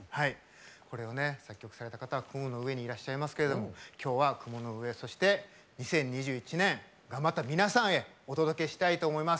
これをね作曲された方は雲の上にいらっしゃいますけれども今日は雲の上そして２０２１年頑張った皆さんへお届けしたいと思います。